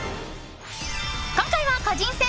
今回は個人戦。